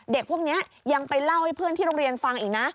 เด็กพวกนี้ยังไปเล่าให้เพื่อนที่โรงเรียนฟังอีกนะ